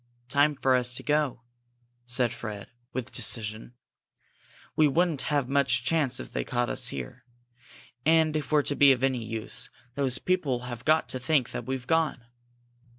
"Time for us to go," said Fred, with decision. "We wouldn't have much chance if they caught us here. And if we're to be of any use, those people have got to think that we've gone."